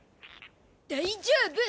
大丈夫！